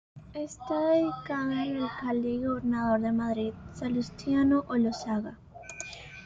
Está dedicada al alcalde y gobernador de Madrid Salustiano Olózaga.